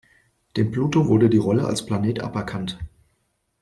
Dem Pluto wurde die Rolle als Planet aberkannt.